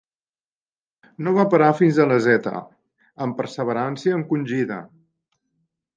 No va parar fins a la Zeta, amb perseverança encongida.